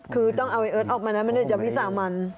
คือต้องเอาไอเอิร์ทออกมานะไม่ได้จะวิสามัน